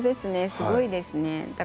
すごいですね。